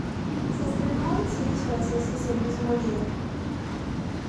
Se estrenó en cines franceses el mismo día.